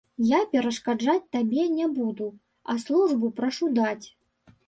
Я перашкаджаць табе не буду, а службу прашу даць.